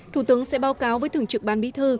thủ tướng sẽ báo cáo với thưởng trực ban bí thư